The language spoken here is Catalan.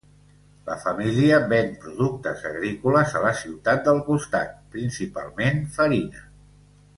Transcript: La família ven productes agrícoles a la ciutat del costat, principalment farina.